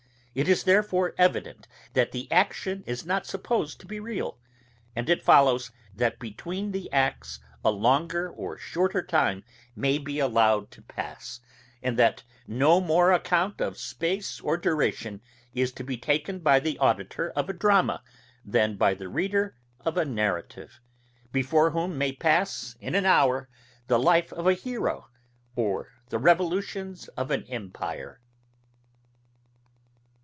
It is therefore evident, that the action is not supposed to be real; and it follows, that between the acts a longer or shorter time may be allowed to pass, and that no more account of space or duration is to be taken by the auditor of a drama, than by the reader of a narrative, before whom may pass in an hour the life of a hero, or the revolutions of an empire.